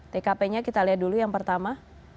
tkp nya kita lihat dulu yang pertama